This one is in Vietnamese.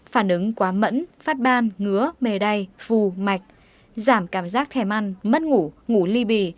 phản ứng quá mẫn phát ban ngứa mề đay phù mạch giảm cảm giác thèn ăn mất ngủ ngủ ly bì